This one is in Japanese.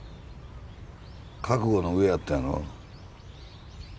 ・覚悟の上やったんやろ？